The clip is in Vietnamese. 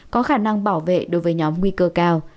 có khả năng bảo vệ đối với nhóm nguy cơ cao